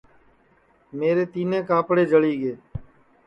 میرے تِینیں کاپڑے جݪی گے